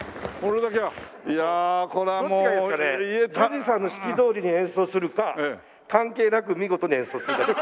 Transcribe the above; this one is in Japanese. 純次さんの指揮どおりに演奏するか関係なく見事に演奏するか。